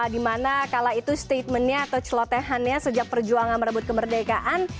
di mana kalau itu statementnya atau celotehannya sejak perjuangan merebut kemerdekaan